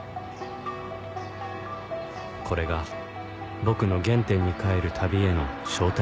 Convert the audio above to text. これが僕の原点に返る旅への招待状だった